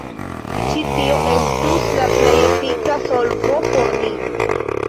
Ĉi tio estus la plej efika solvo por ni.